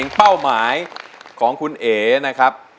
เป้าหมายของคุณเอ๋นะครับ